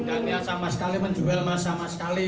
nggak ada yang sama sekali menjual sama sekali